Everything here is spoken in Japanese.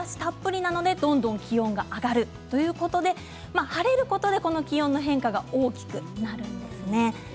日中は日ざしがたっぷりなので気温が上がるということで晴れることで気温の変化が大きくなるんですね。